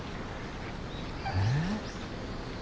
え？